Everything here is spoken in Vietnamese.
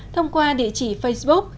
thông qua địa chỉ facebook